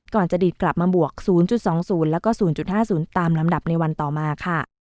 ก่อนจะดีดกลับมาบวก๐๒๐แล้วก็๐๕๐ตามลำดับในวันต่อมาค่ะ